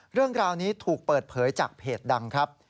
เรื่องราวนี้ถูกเปิดเผยจากเพจดังครับ